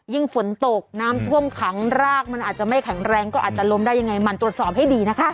ฝนตกน้ำท่วมขังรากมันอาจจะไม่แข็งแรงก็อาจจะล้มได้ยังไงมันตรวจสอบให้ดีนะคะ